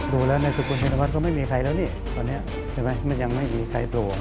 ดูละในชินวัฒน์ก็ไม่มีใครแล้วเนี่ยตอนนี้เบอร์ยังไม่มีใครโปรอตอบ